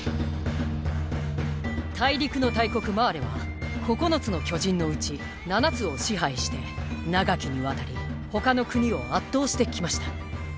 大陸の大国マーレは九つの巨人のうち七つを支配して長きにわたり他の国を圧倒してきました。